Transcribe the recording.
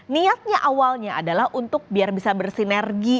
niatnya awalnya adalah untuk biar bisa bersinergi